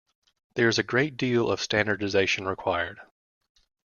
There is a great deal of standardization required.